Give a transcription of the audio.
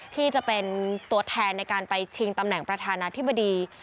ที่จะเป็นตัวแทนในการไปชิงตำแหน่งประธานาธิบดี